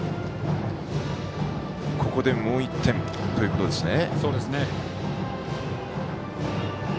ここでもう１点ということですね。